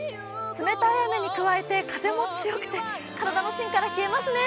冷たい雨に加えて風も強くて、体の芯から冷えますよね。